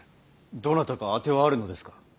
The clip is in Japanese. どなたか当てはあるのですか。